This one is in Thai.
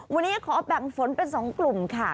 วันนี้ขอแบ่งฝนเป็น๒กลุ่มค่ะ